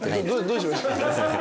どうしました？